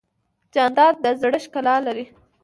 جانداد د زړه ښکلا لري.